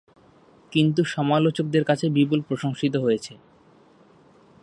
কিন্তু সমালোচকদের কাছে বিপুল প্রশংসিত হয়েছে।